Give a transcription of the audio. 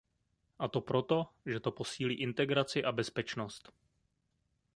A to proto, že to posílí integraci a bezpečnost.